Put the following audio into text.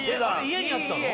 家にあったの？